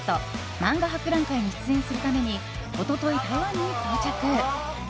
漫画博覧会に出演するために一昨日、台湾に到着。